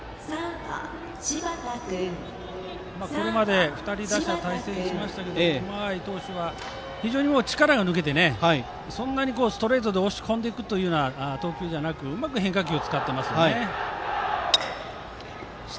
これまで２人打者と対戦しましたが熊谷投手は非常に力が抜けてストレートで押し込んでいく投球じゃなくうまく変化球を使ってますね。